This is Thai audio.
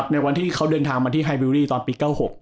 ในวันที่เขาเดินทางมาที่ไฮบิลลี่ตอนปี๙๖